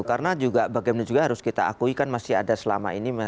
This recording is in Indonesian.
karena juga bagaimana juga harus kita akui kan masih ada selama ini